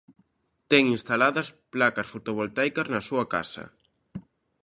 Ten instaladas placas fotovoltaicas na súa casa.